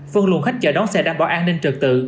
phân luận khách chở đón xe đảm bảo an ninh trực tự